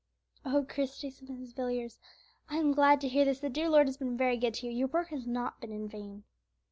"Oh, Christie," said Mrs. Villiers, "I am glad to hear this; the dear Lord has been very good to you; your work has not been in vain."